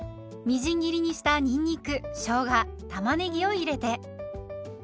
みじん切りにしたにんにくしょうがたまねぎを入れて。